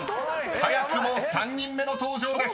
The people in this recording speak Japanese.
［早くも３人目の登場です］